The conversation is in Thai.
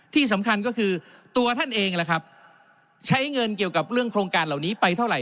ที่สำคัญก็คือตัวท่านเองล่ะครับใช้เงินเกี่ยวกับเรื่องโครงการเหล่านี้ไปเท่าไห